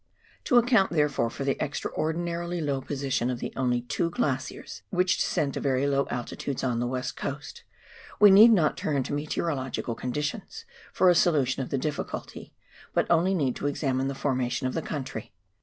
To account, therefore, for the extraordinarily low position of the only two glaciers which descend to very low altitudes on the West Coast, we need not turn to meteorological conditions for a solution of the difficulty, but only need examine the formation of the country.